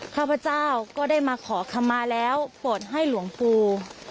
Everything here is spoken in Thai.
ข้าพเจ้าก็ได้มาขอคำมาแล้วปลดให้หลวงปู่